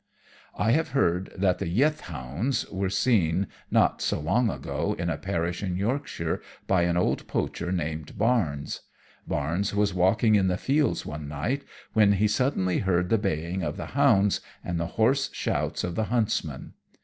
I have heard that the "Yeth Hounds" were seen, not so long ago, in a parish in Yorkshire by an old poacher called Barnes. Barnes was walking in the fields one night, when he suddenly heard the baying of the hounds, and the hoarse shouts of the huntsman.